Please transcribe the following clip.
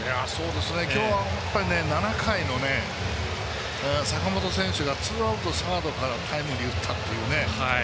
今日はやっぱり７回の坂本選手がツーアウト、サードからタイムリーを打ったというね